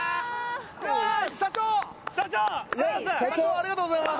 社長ありがとうございます！